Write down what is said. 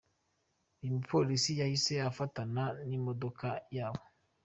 Uyu mupolisi yahise abafatana n’imodoka yabo.